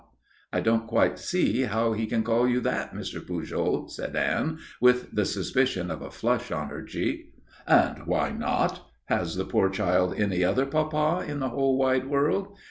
"I don't quite see how he can call you that, Mr. Pujol," said Anne, with the suspicion of a flush on her cheek. "And why not? Has the poor child any other papa in the whole wide world?